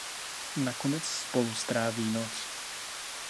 Nakonec spolu stráví noc.